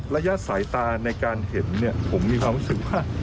ระยะสายตาในการเห็นผมมีความรู้สึกว่า